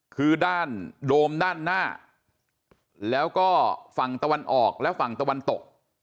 คือด้านโดมด้านหน้าแล้วก็ฝั่งตะวันออกและฝั่งตะวันตก